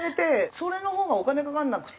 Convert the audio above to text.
それのほうがお金かからなくて。